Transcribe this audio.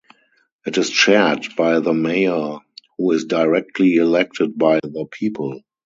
It is chaired by the mayor, who is directly elected by the people.